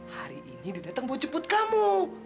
hari ini dia datang buat jemput kamu